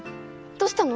どうしたの？